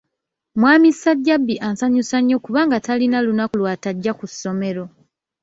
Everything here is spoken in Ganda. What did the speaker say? Mwami Sajjabbi ansanyusa nnyo kubanga talina lunaku lwatajja ku ssomero.